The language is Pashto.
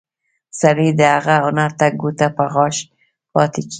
سړی د هغه هنر ته ګوته په غاښ پاتې کېږي.